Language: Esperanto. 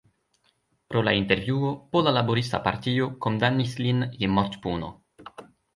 Pro la intervjuo Pola Laborista Partio kondamnis lin je mortpuno.